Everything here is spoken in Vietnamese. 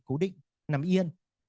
cố định nằm yên